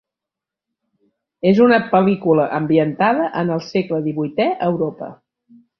És una pel·lícula ambientada en el segle divuitè a Europa.